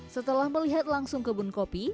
setelah melihat langsung kebun kopi